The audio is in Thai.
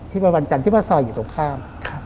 ที่ประวันจันทร์ที่ประสอยอยู่ตรงข้าม